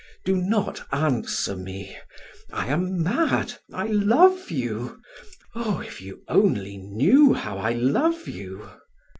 Do not answer me. I am mad I love you. Oh, if you knew how I love you!"